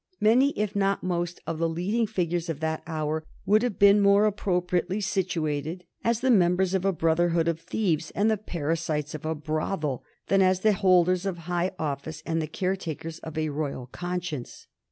Many, if not most, of the leading figures of that hour would have been more appropriately situated as the members of a brotherhood of thieves and the parasites of a brothel than as the holders of high office and the caretakers of a royal conscience.